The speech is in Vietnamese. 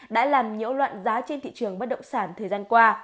đã làm nhiễu loạn giá trên thị trường bất động sản thời gian qua